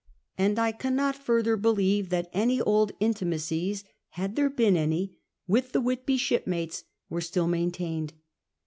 And I cannot, further, believe that any old intimacies — had there been any — with the Whitby shipmates were still maintained.